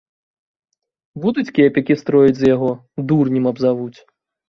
Будуць кепікі строіць з яго, дурнем абзавуць.